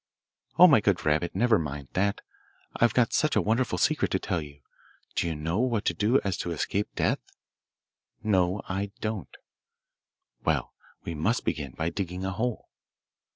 'Oh, my good rabbit, never mind that! I've got such a wonderful secret to tell you! Do you know what to do so as to escape death?' 'No, I don't.' 'Well, we must begin by digging a hole.